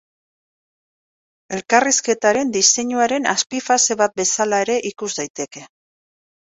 Elkarrizketaren diseinuaren azpi-fase bat bezala ere ikus daiteke.